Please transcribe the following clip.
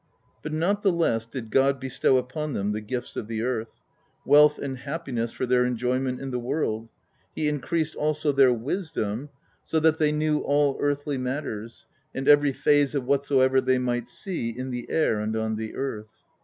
But not the less did God bestow upon them the gifts of the earth : wealth and happiness, for their enjoyment in the world; He increased also their wisdom, so that they knew all earthly matters, and every phase of whatsoever they might see in the air and on the earth.